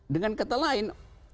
dengan kata lain